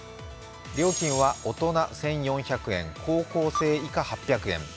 料金は大人１４００円、高校生以下８００円。